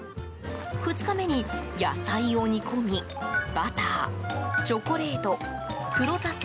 ２日目に、野菜を煮込みバター、チョコレート、黒砂糖